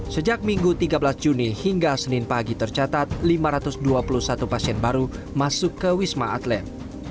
sejak minggu tiga belas juni hingga senin pagi tercatat lima ratus dua puluh satu pasien baru masuk ke wisma atlet